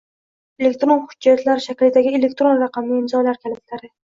Elektron hujjatlar shaklidagi elektron raqamli imzolar kalitlari